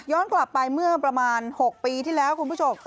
กลับไปเมื่อประมาณ๖ปีที่แล้วคุณผู้ชม